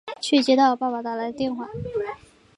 却接到爸爸打来的电话